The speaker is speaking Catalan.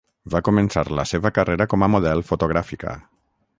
Va començar la seva carrera com a model fotogràfica.